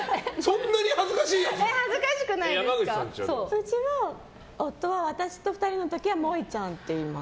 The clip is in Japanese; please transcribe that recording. うちは、夫は私と２人の時はもえちゃんって言います。